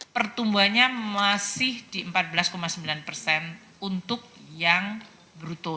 pertumbuhannya masih di empat belas sembilan persen untuk yang bruto